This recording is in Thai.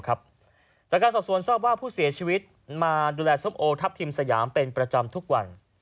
จากการสอบสวนทราบว่าผู้เสียชีวิตมาดูแลส้มโอทัพทิมสยามเป็นประจำทุกวัน